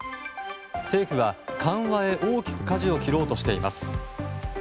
政府は、緩和へ大きくかじを切ろうとしています。